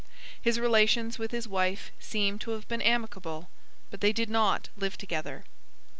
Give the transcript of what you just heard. His relations with his wife seem to have been amicable, but they did not live together.